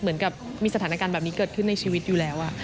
เหมือนกับมีสถานการณ์แบบนี้เกิดขึ้นในชีวิตอยู่แล้ว